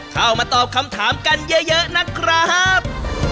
เข้ามาตอบคำถามกันเยอะนะครับ